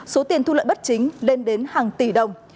số tiền thu lợi bất chính lên đến hàng tỷ đồng